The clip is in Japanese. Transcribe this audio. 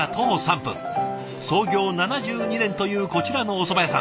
創業７２年というこちらのおそば屋さん。